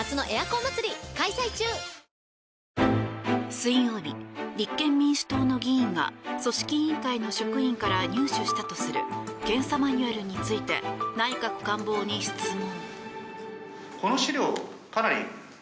水曜日、立憲民主党の議員が組織委員会の職員から入手したとする検査マニュアルについて内閣官房に質問。